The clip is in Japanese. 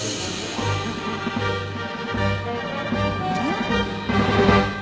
ん？